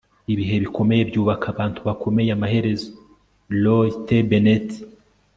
ibihe bikomeye byubaka abantu bakomeye amaherezo. - roy t. bennett